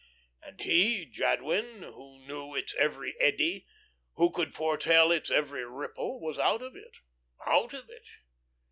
And he, Jadwin, who knew its every eddy, who could foretell its every ripple, was out of it, out of it.